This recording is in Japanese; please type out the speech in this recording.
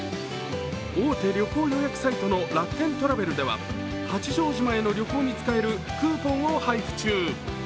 大手旅行予約サイトの楽天トラベルでは八丈島の旅行に使えるクーポンを配布中。